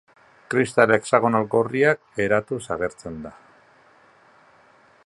Kristal hexagonal gorriak eratuz agertzen da.